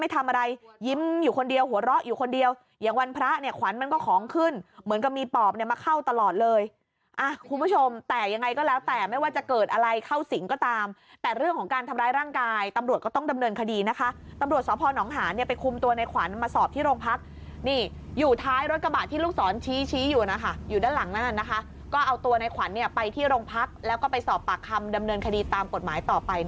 สอดเลยอ่ะคุณผู้ชมแต่ยังไงก็แล้วแต่ไม่ว่าจะเกิดอะไรเข้าสิงก็ตามแต่เรื่องของการทำร้ายร่างกายตำรวจก็ต้องดำเนินคดีนะคะตำรวจสนหาเนี่ยไปคุมตัวในขวัญมาสอบที่โรงพักนี่อยู่ท้ายรถกระบะที่ลูกสอนชี้ชี้อยู่นะคะอยู่ด้านหลังนั้นนะคะก็เอาตัวในขวัญเนี่ยไปที่โรงพักแล้วก็ไปสอบปากคำดำเนินคดีตามกฎหมาย